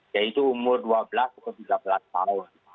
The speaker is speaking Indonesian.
yaitu umur dua belas atau tiga belas tahun